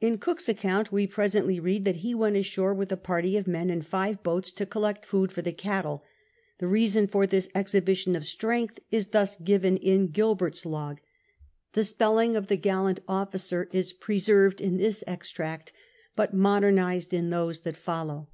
In Cook's account wo pre sently read that he went ashore with a party of men in five boats to collect food for the cattle. The reason for this exhibition of strength is thus given in Gilbert's log. The spelling of the gallant officer is preserved in this extract, but modernised in those that follow.